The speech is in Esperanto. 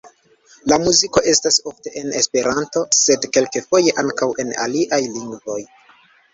La muziko estas ofte en esperanto, sed kelkfoje ankaŭ en aliaj lingvoj.